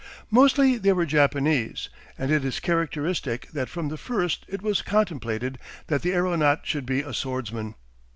Mostly they were Japanese, and it is characteristic that from the first it was contemplated that the aeronaut should be a swordsman.